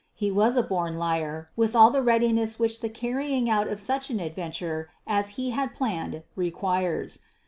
He was a born liar, with all the readiness which the carrying out of such an adventure as he had planned requires.